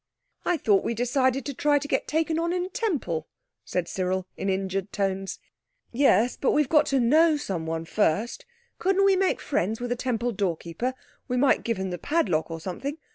"I thought we decided to try to get taken on in a Temple," said Cyril in injured tones. "Yes, but we've got to know someone first. Couldn't we make friends with a Temple doorkeeper—we might give him the padlock or something.